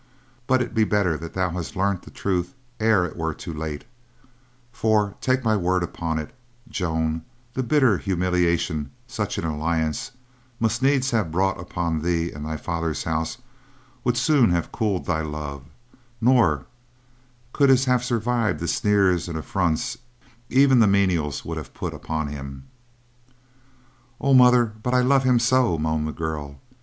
But it be better that thou hast learnt the truth ere it were too late; for, take my word upon it, Joan, the bitter humiliation such an alliance must needs have brought upon thee and thy father's house would soon have cooled thy love; nor could his have survived the sneers and affronts even the menials would have put upon him." "Oh, mother, but I love him so," moaned the girl.